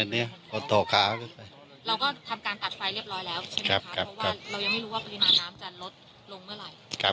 เราก็ทำการตัดไฟเรียบร้อยแล้วใช่ไหมคะเพราะว่าเรายังไม่รู้ว่าปริมาณน้ำจะลดลงเมื่อไหร่